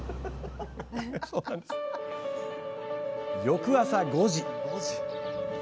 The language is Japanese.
翌朝５時。